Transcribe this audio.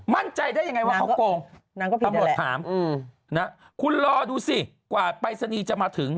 มั่นใจได้ยังไงว่าเขาโกงตำรวจถามคุณรอดูสิกว่าปรายศนีย์จะมาถึง